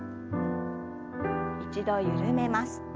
一度緩めます。